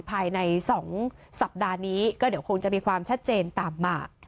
ภายใน๒สัปดาห์นี้ก็เดี๋ยวคงจะมีความชัดเจนตามมา